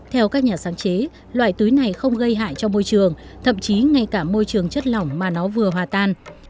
theo các nhà sáng chế loại túi này không gây hại cho môi trường thậm chí ngay cả môi trường chất lỏng mà nó vừa hòa tan